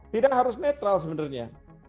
tidak harus netral sebenarnya